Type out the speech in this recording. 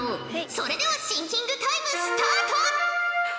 それではシンキングタイムスタート！